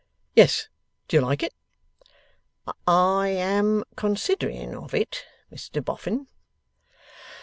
'Yes. Do you like it?' 'I am considering of it, Mr Boffin.